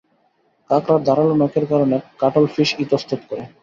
কাঁকড়ার ধারালো নখরের কারণে কাটলফিশ ইতস্তত করে।